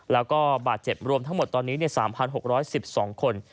แล้วก็บาดเจ็บรวมทั้งหมดตอนนี้๓๖๑๒คน